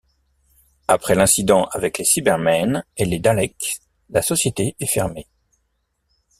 Après l'incident avec les Cybermen et les Daleks, la société est fermée.